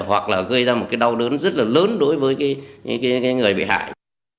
hoặc là gây ra một cái đau đớn rất là lớn đối với người bị hại